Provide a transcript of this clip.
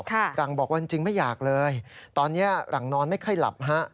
หลังบอกว่าจริงไม่อยากเลยตอนนี้หลังนอนไม่ค่อยหลับฮะ